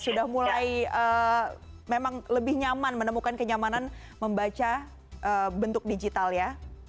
sudah mulai memang lebih nyaman menemukan kenyamanan membaca bentuk digital ya